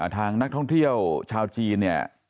ทางนักท่องเที่ยวชาวจีนเนี่ย